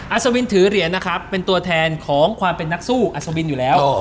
อสวินถือเหรียญนะครับเป็นตัวแทนของความเป็นนักสู้อัศวินอยู่แล้ว